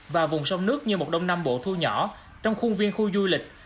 và vùng sông nước như một đông nam bộ thu nhỏ trong khuôn viên khu du lịch